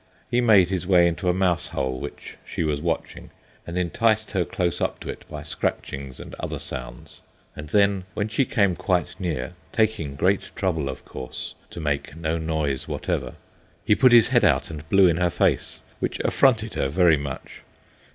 He made his way into a mouse hole which she was watching, and enticed her close up to it by scratchings and other sounds, and then, when she came quite near (taking great trouble, of course, to make no noise whatever), he put his head out and blew in her face, which affronted her very much.